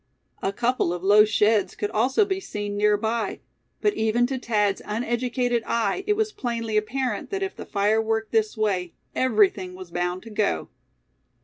A couple of low sheds could also be seen near by; but even to Thad's uneducated eye it was plainly apparent that if the fire worked this way, everything was bound to go.